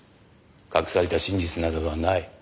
隠された真実などはない。